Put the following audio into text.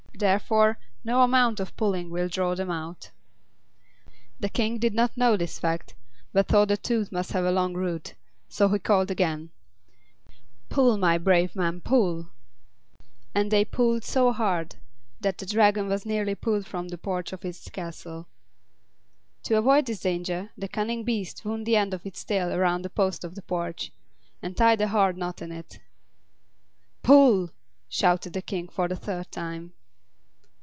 Therefore, no amount of pulling will draw them out. The King did not know this fact, but thought the tooth must have a long root; so he called again: "Pull! my brave men; pull!" And they pulled so hard that the Dragon was nearly pulled from the porch of its castle. To avoid this danger the cunning beast wound the end of its tail around a post of the porch, and tied a hard knot in it. "Pull!" shouted the King for the third time.